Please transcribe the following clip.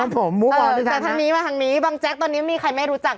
ภูมิมาทางนี้บางแจ๊กต่อนี่แบบนี้มีใครไม่รู้จัก